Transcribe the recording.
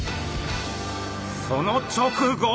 その直後。